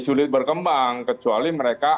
sulit berkembang kecuali mereka